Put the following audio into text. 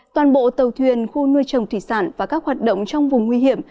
toàn bộ tàu thuyền khu nuôi trồng thủy sản và các hoạt động trong vùng nguy hiểm